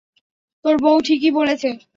তোর বউ ঠিকই বলেছে।